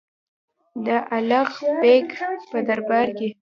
نه د الغ بېګ په دربار کې.